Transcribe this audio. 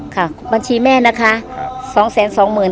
ค่ะบัญชีแม่นะคะครับสองแสนสองหมื่น